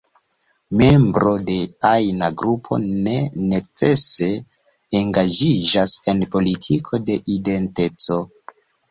Membro de ajna grupo ne necese engaĝiĝas en politiko de identeco.